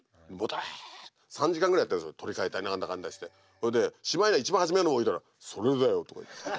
それでしまいには一番初めの置いたら「それだよ」とか言って。